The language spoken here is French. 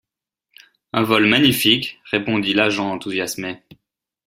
Un vol magnifique, répondit l’agent enthousiasmé.